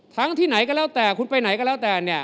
ทั้งที่ไหนก็แล้วแต่คุณไปไหนก็แล้วแต่